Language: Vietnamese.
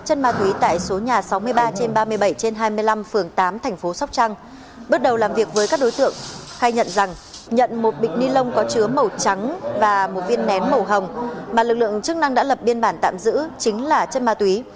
công an tp bumathut đã lập biên bản tạm giữ chính là chất ma túy